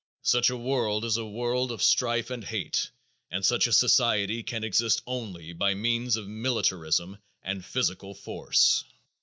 Such a world is a world of strife and hate and such a society can exist only by means of militarism and physical force.